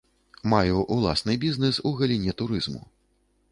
Маю ўласны бізнэс у галіне турызму.